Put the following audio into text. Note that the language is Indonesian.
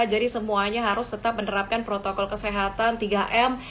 semuanya harus tetap menerapkan protokol kesehatan tiga m